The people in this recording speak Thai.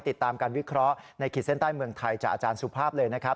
ติดตามการวิเคราะห์ในขีดเส้นใต้เมืองไทยจากอาจารย์สุภาพเลยนะครับ